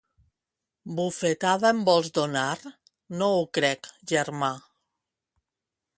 Bufetada em vols donar? No ho crec, germà.